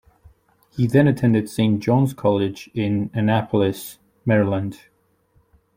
He then attended Saint John's College in Annapolis, Maryland.